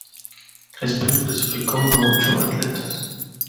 España clasificó a ocho atletas.